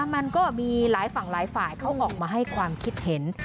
มันก็มีหลายฝั่งหลายฝ่ายเขาออกมาให้ความคิดเห็น